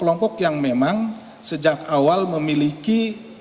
kelompok yang memang sejak awal memiliki